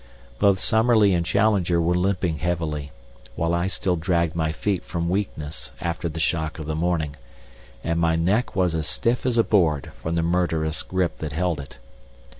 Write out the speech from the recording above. Both Summerlee and Challenger were limping heavily, while I still dragged my feet from weakness after the shock of the morning, and my neck was as stiff as a board from the murderous grip that held it.